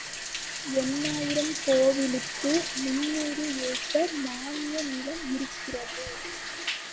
எண்ணாயிரம் கோவிலுக்கு முன்னூறு ஏக்கர் மான்ய நிலம் இருக்கிறது.